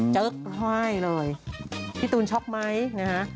เจอ๊ะไหวเลยพี่ตูนช็อคไมค์นะฮะ